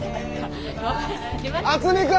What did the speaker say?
渥美君！